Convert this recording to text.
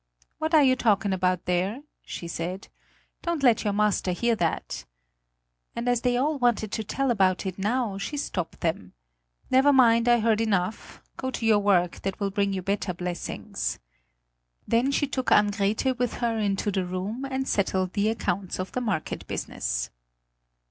"What are you talking about there?" she said. "Don't let your master hear that!" And as they all wanted to tell about it now, she stopped them. "Never mind; I heard enough; go to your work; that will bring you better blessings." Then she took Ann Grethe with her into the room and settled the accounts of the market business.